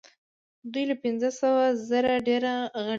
دوی له پنځه سوه زره ډیر غړي لري.